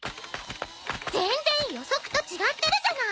全然予測と違ってるじゃない！